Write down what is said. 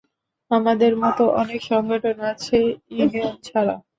আমাদের মতো অনেক সংগঠন আছে ইউনিয়ন ছাড়া।